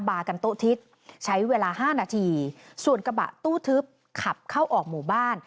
บากันโต๊ะทิศใช้เวลาห้านาทีส่วนกระบะตู้ทึบขับเข้าออกหมู่บ้าน